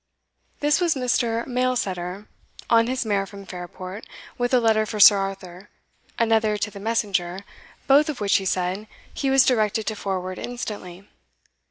This was Mr. Mailsetter on his mare from Fairport, with a letter for Sir Arthur, another to the messenger, both of which, he said, he was directed to forward instantly.